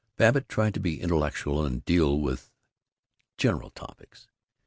Babbitt tried to be intellectual and deal with General Topics.